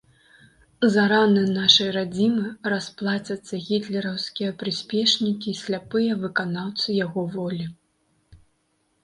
За раны нашай радзімы расплацяцца гітлераўскія прыспешнікі і сляпыя выканаўцы яго волі.